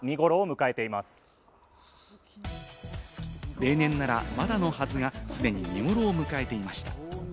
例年なら、まだのはずが既に見頃を迎えていました。